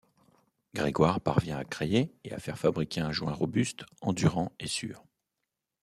Grégoire parvient à créer et à faire fabriquer un joint robuste, endurant et sûr.